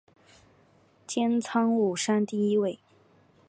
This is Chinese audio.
镰仓五山第一位。